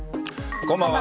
こんばんは。